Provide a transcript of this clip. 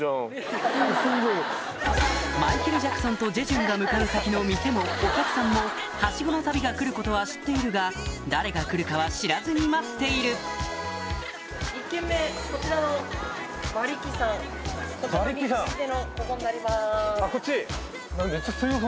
マイケル・ジャクソンとジェジュンが向かう先の店もお客さんもハシゴの旅が来ることは知っているが誰が来るかは知らずに待っているあっこっち？